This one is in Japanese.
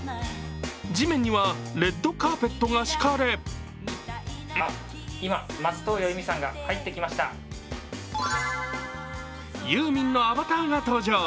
地面にはレッドカーペットが敷かれユーミンのアバターが登場。